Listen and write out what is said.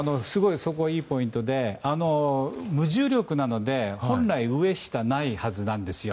そこがいいポイントで無重力なので本来上下がないはずなんですよ。